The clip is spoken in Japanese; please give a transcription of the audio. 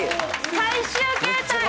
最終形態！